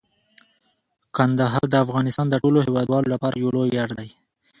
کندهار د افغانستان د ټولو هیوادوالو لپاره یو لوی ویاړ دی.